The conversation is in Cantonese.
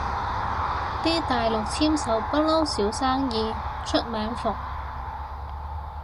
啲大陸簽售不嬲少生意，出名伏